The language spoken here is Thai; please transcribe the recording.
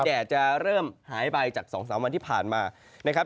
แดดจะเริ่มหายไปจาก๒๓วันที่ผ่านมานะครับ